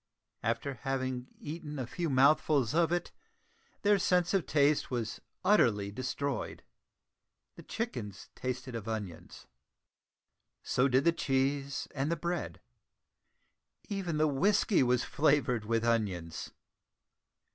After having eaten a few mouthfuls of it, their sense of taste was utterly destroyed! The chickens tasted of onions, so did the cheese and the bread. Even the whiskey was flavoured with onions.